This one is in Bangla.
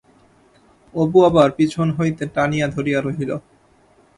অপু আবার পিছন হইতে টানিয়া ধরিয়া রহিল।